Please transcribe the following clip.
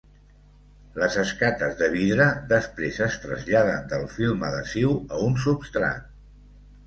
Les escates de vidre després es traslladen del film adhesiu a un substrat.